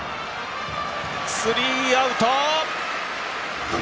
スリーアウト！